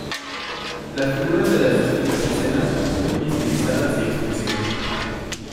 Las figuras de las distintas escenas son muy estilizadas y expresivas.